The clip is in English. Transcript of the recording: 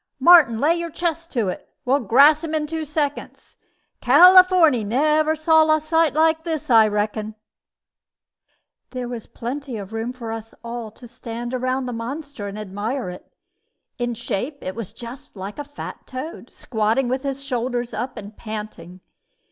"Martin, lay your chest to it. We'll grass him in two seconds. Californy never saw a sight like this, I reckon." There was plenty of room for us all to stand round the monster and admire it. In shape it was just like a fat toad, squatting with his shoulders up and panting.